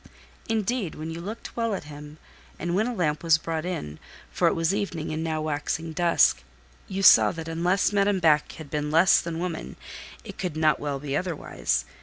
Indeed, when you looked well at him, and when a lamp was brought in—for it was evening and now waxing dusk—you saw that, unless Madame Beck had been less than woman, it could not well be otherwise.